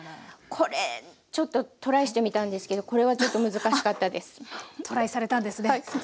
これちょっとトライしてみたんですけどこれはちょっと難しかったです。